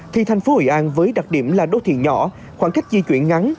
khi thành phố hội an với đặc điểm là đô thị nhỏ khoảng cách di chuyển ngắn